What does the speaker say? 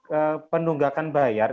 karena dengan penunggakan bayar